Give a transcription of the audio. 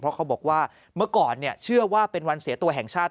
เพราะเขาบอกว่าเมื่อก่อนเชื่อว่าเป็นวันเสียตัวแห่งชาติ